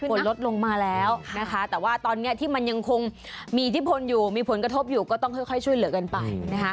ฝนลดลงมาแล้วนะคะแต่ว่าตอนนี้ที่มันยังคงมีอิทธิพลอยู่มีผลกระทบอยู่ก็ต้องค่อยช่วยเหลือกันไปนะคะ